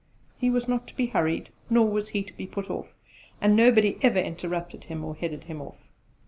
He was not to be hurried, nor was he to be put off, and nobody ever interrupted him or headed him off.